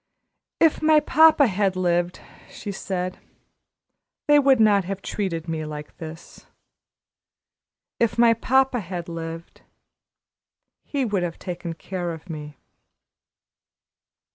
"If my papa had lived," she said, "they would not have treated me like this. If my papa had lived, he would have taken care of me."